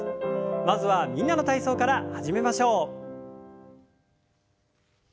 まずは「みんなの体操」から始めましょう。